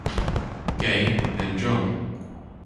Gay, and John.